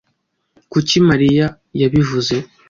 Kuki Maria yabivuze?